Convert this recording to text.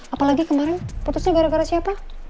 apalagi kemarin putusnya gara gara siapa